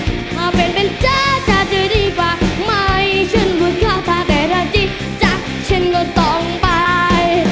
ถ้าเปลี่ยนเป็นเจ้าเจ้าจะดีกว่าไม่ฉันว่าเข้าถ้าแต่ถ้าจี้จ้ะฉันก็ต้องไป